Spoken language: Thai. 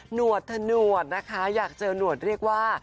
วดถนวดนะคะอยากเจอหนวดเรียกว่า